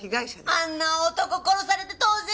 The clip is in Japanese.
あんな男殺されて当然や！